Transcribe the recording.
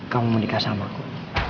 kau mau nikah sama aku